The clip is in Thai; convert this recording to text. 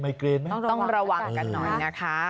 เกรนไหมต้องระวังกันหน่อยนะคะ